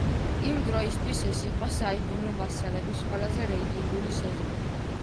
იმ დროისთვის ეს იყო „საიდუმლო მასალების“ ყველაზე რეიტინგული სეზონი.